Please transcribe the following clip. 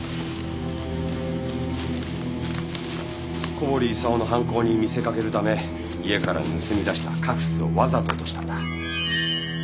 小堀功の犯行に見せかけるため家から盗み出したカフスをわざと落としたんだ。